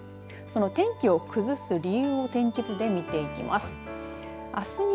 その天気を崩す理由を天気図で見ていきます。